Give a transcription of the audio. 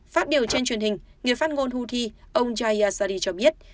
phát biểu trên truyền hình người phát ngôn houthi ông jayasari cho biết